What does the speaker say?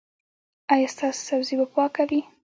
ایا ستاسو سبزي به پاکه وي؟